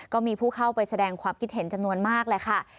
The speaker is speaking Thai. ก็มีผู้เข้าไปแสดงความคิดเห็นจำนวนมากแหละค่ะ